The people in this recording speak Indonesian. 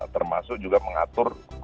termasuk juga mengatur